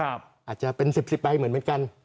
อาจจะเป็น๑๐ใบเหมือนเหมือนกัน